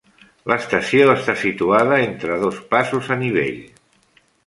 L'estació està situada entre dos passos a nivell.